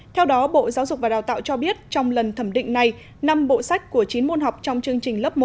theo đó bộ giáo dục và đào tạo cho biết trong lần thẩm định này năm bộ sách của chín môn học trong chương trình lớp một